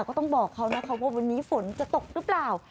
ก็ต้องบอกเขานะคะว่าวันนี้ฝนจะตกหรือเปล่า